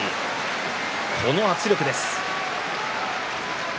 この圧力です。